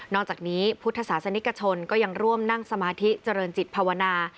จากนี้พุทธศาสนิกชนก็ยังร่วมนั่งสมาธิเจริญจิตภาวนา